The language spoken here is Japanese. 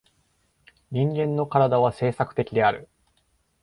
人間の身体は制作的である。